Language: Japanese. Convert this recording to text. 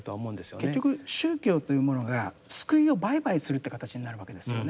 結局宗教というものが救いを売買するって形になるわけですよね。